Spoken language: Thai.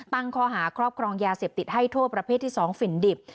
ตั้งข้อหาครอบครองยาเสพติดให้โทษประเภทที่๒ฝิ่นดิบ